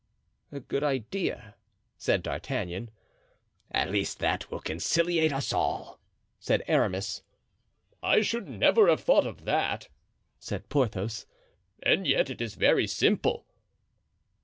"A good idea," said D'Artagnan. "At least that will conciliate us all," said Aramis. "I should never have thought of that," said Porthos, "and yet it is very simple."